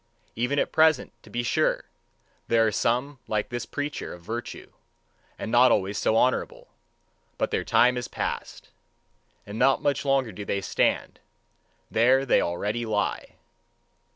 Even at present, to be sure, there are some like this preacher of virtue, and not always so honourable: but their time is past. And not much longer do they stand: there they already lie.